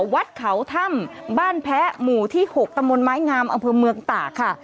วัดเขาถ้ำบ้านแพ้หมู่ที่๖ตำบลไม้งามอำเภอเมืองตากค่ะ